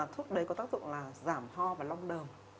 thuốc đấy có tác dụng là giảm ho và long đờm